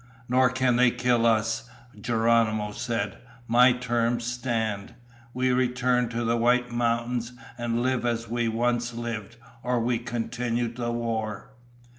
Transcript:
"Nor can they kill us," Geronimo said. "My terms stand. We return to the White Mountains and live as we once lived, or we continue the war."